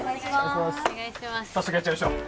早速やっちゃいましょう